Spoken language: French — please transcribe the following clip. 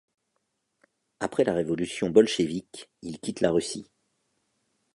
Après la révolution bolchévique, il quitte la Russie.